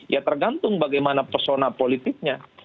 ya tergantung bagaimana persona politiknya